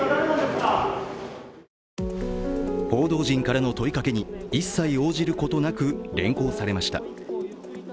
報道陣からの問いかけに一切応じることなく連行されました。